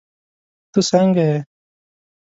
تہ سنګه یی